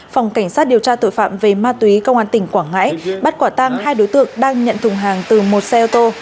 phòng cảnh sát điều tra tội phạm về ma túy công an tỉnh quảng ngãi bắt quả tăng hai đối tượng đang nhận thùng hàng từ một xe ô tô